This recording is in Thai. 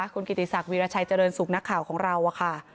คุณกิติสักร์วีรชัยเจริญสุขนักข่าวของเรา